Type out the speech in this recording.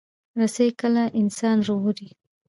رسۍ کله انسان ژغوري.